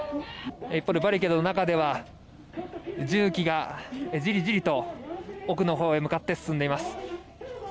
バリケードの中では重機がじりじりと奥のほうへ向かって進んでいます。